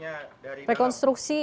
udah udah masuk nih